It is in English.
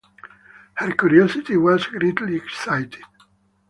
Her curiosity was greatly excited.